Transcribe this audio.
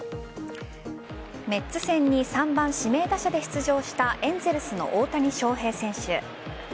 メッツ戦に３番・指名打者で出場したエンゼルスの大谷翔平選手。